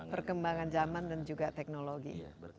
perkembangan zaman dan juga teknologi